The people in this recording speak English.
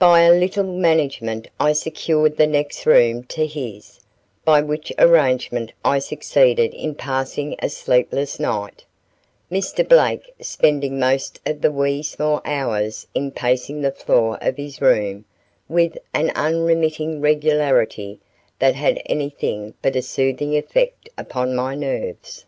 By a little management I secured the next room to his, by which arrangement I succeeded in passing a sleepless night, Mr. Blake spending most of the wee sma' hours in pacing the floor of his room, with an unremitting regularity that had anything but a soothing effect upon my nerves.